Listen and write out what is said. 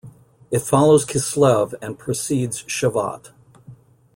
It follows Kislev and precedes Shevat.